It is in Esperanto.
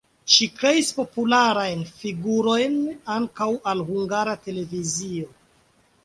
Ŝi kreis popularajn figurojn ankaŭ al Hungara Televizio.